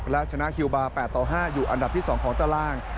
และชนะคิวบาร์๘ต่อ๕อยู่อันดับที่๒ของตาราง